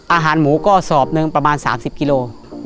อาหารหมูก็สอบหนึ่งประมาณ๓๐กิโล